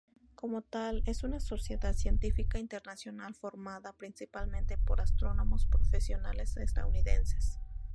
Como tal es una sociedad científica internacional formada principalmente por astrónomos profesionales estadounidenses.